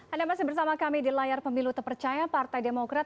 anda masih bersama kami di layar pemilu terpercaya partai demokrat